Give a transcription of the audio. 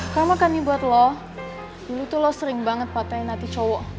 kamu kan nih buat lo dulu tuh lo sering banget patahin hati cowok